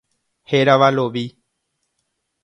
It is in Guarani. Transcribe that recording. Hérava Lovi.